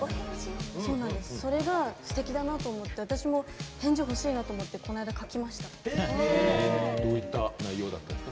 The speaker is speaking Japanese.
それがすてきだなと思って私も返事欲しいなと思ってどういった内容ですか？